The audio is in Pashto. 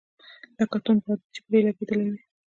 لکه توند باد چي پر لګېدلی وي .